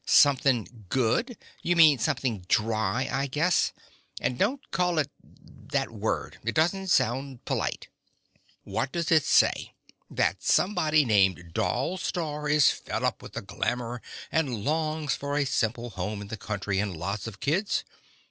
"Something good? You mean something dry, I guess. And don't call it ... that word. It doesn't sound polite." "What does it say? That somebody named Doll Starr is fed up with glamor and longs for a simple home in the country and lots of kids?